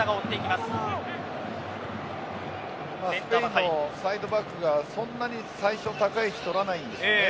スペインのサイドバックがそんなに最初高い位置とらないんですよね。